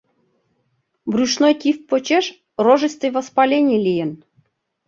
Брюшной тиф почеш рожистый воспалений лийын.